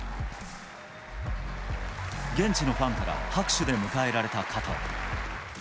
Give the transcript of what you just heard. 現地のファンから拍手で迎えられた加藤。